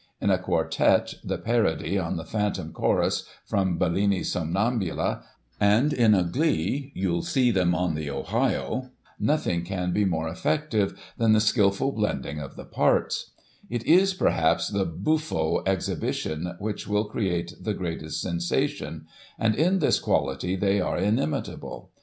In a quartet, the parody on the Phantom Chorus, from Bellini's * Sonnambula '; and in a glee, ' You'll See Them on the Ohio,' nothing can be more effective than the skilful blending of the parts It is, perhaps, the buffo exhibition which will create the greatest sensation, and in this quality they are inimitable.